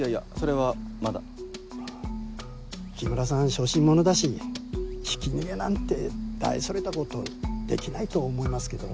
小心者だしひき逃げなんて大それたことできないと思いますけど。